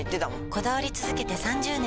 こだわり続けて３０年！